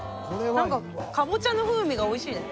かぼちゃの風味がおいしいね